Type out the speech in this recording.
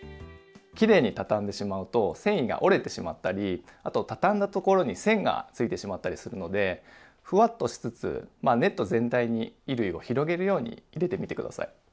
きれいにたたんでしまうと繊維が折れてしまったりあとたたんだところに線がついてしまったりするのでふわっとしつつネット全体に衣類を広げるように入れてみて下さい。